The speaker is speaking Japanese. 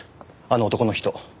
あの男の人。